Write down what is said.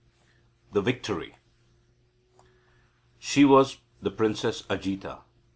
THE VICTORY She was the Princess Ajita.